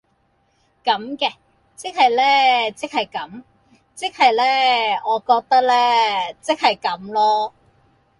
咁嘅，即係呢即係咁，即係呢我覺得呢，即係咁囉